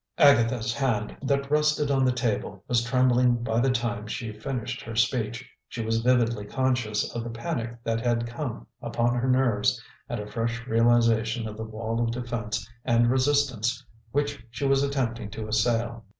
Agatha's hand, that rested on the table, was trembling by the time she finished her speech; she was vividly conscious of the panic that had come upon her nerves at a fresh realization of the wall of defense and resistance which she was attempting to assail.